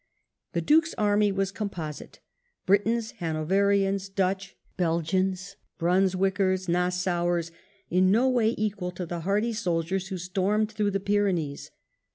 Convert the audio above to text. The Duke's army was composite — Britons, Hanoverians, Dutch, Belgians, Brunswickers, Nassauers, — in no way equal to the hardy soldiers who stormed through the Pyrenees.